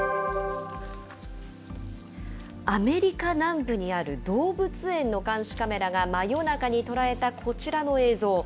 アメリカ南部にある動物園の監視カメラが真夜中に捉えたこちらの映像。